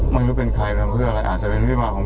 ไม่รู้เป็นใครไม่รู้เป็นเพื่ออะไรอาจจะเป็นวิบัติของ